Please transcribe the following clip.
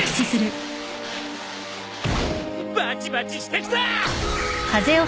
バチバチしてきた！